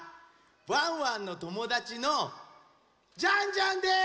ワンワンのともだちのジャンジャンです！